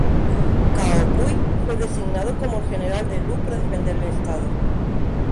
Cao Gui fue designado como el general de Lu para defender el estado.